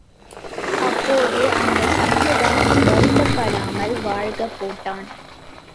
அப்போது இந்த சண்முகம் வருத்தப்படாமல் வாழ்க போட்டான்.